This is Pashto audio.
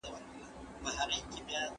زه له الله څخه ډیر شرمیږم.